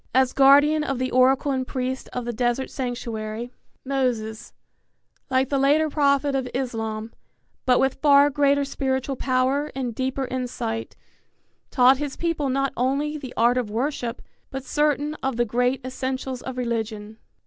As guardian of the oracle and priest of the desert sanctuary, Moses, like the later prophet of Islam, but with far greater spiritual power and deeper insight, taught his people not only the art of worship, but certain of the great essentials of religion.